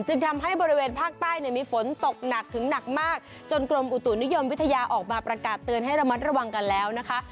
จึงทำให้บริเวณภาคใต้เนี่ยมีฝนตกหนักถึงหนักมากจนกรมอุตุนิยมวิทยาออกมาประกาศเตือนให้ระมัดระวังกันแล้วนะคะ